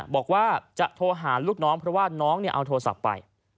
บอกว่าจะโทรหาลูกน้องเพราะว่าน้องเอาโทรศัพท์ไป